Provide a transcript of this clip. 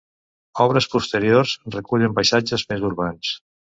Obres posteriors recullen paisatges més urbans.